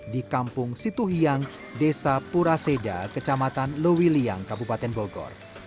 di kampung situhiang desa puraseda kecamatan lewiliang kabupaten bogor